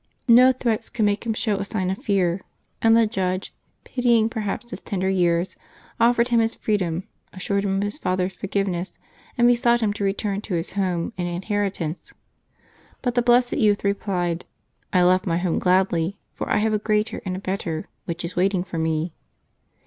I^o threats could make him show a sign of fear, and the judge, pitying perhaps his tender years, offered him his freedom, assured him of his father's forgiveness, and besought him to return to his home and inheritance. But the blessed youth replied, "I left my home gladly, for I have a greater and a better which is waiting for me.''